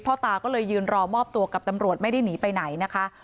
ตาก็เลยยืนรอมอบตัวกับตำรวจไม่ได้หนีไปไหนนะคะ